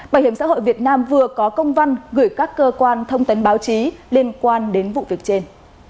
bảo hiểm xã hội việt nam vừa có công văn gửi các cơ quan thông tấn báo chí liên quan đến vụ việc trên